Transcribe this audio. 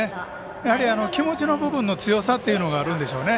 やはり気持ちの部分での強さというのがあるんでしょうね。